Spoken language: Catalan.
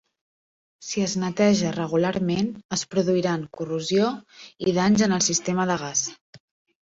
Si es neteja regularment, es produiran corrosió i danys en el sistema de gas.